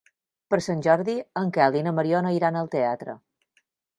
Per Sant Jordi en Quel i na Mariona iran al teatre.